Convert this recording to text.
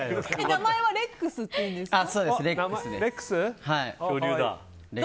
名前はレックスっていうんですか。